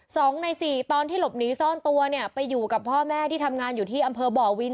สองในสี่ตอนที่หลบหนีซ่อนตัวเนี่ยไปอยู่กับพ่อแม่ที่ทำงานอยู่ที่อำเภอบ่อวิน